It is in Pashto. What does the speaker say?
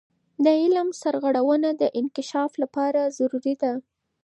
د علم سرغړونه د انکشاف لپاره ضروري ده.